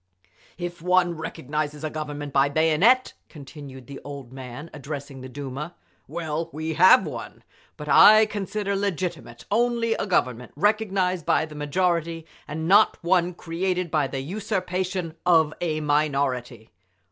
"If one recognises a Government by bayonet," continued the old man, addressing the Duma, "well, we have one; but I consider legitimate only a Government recognised by the majority, and not one created by the usurpation of a minority!"